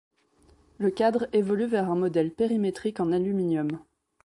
Le cadre évolue vers un modèle périmétrique en aluminium.